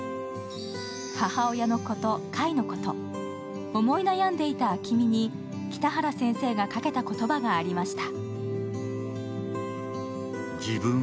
母親のこと、櫂のこと、思い悩んでいた暁海に北原先生がかけた言葉がありました。